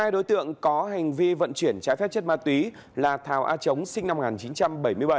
hai đối tượng có hành vi vận chuyển trái phép chất ma túy là thảo a chống sinh năm một nghìn chín trăm bảy mươi bảy